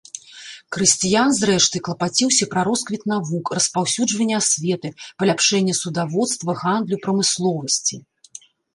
Крысціян, зрэшты, клапаціўся пра росквіт навук, распаўсюджванне асветы, паляпшэнне судаводства, гандлю, прамысловасці.